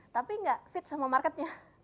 tapi nggak fit sama marketnya